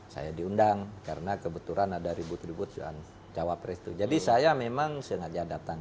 saya diundang karena kebetulan ada ribut ribut soal cawapres itu jadi saya memang sengaja datang